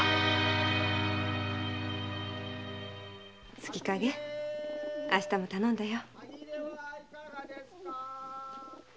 「月影」明日も頼んだよ。